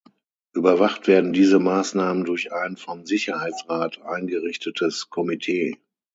Überwacht werden diese Maßnahmen durch ein vom Sicherheitsrat eingerichtetes Komitee.